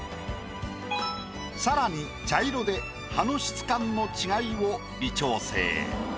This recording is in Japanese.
さらに茶色で葉の質感の違いを微調整。